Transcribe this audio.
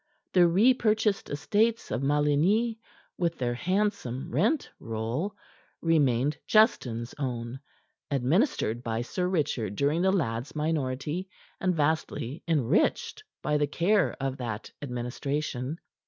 The repurchased estates of Maligny, with their handsome rent roll, remained Justin's own, administered by Sir Richard during the lad's minority and vastly enriched by the care of that administration.